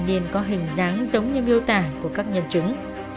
các vật chứng của người thanh niên có hình dáng giống như biêu tả của các nhân chứng